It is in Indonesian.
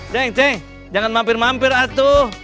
deng ceng jangan mampir mampir atuh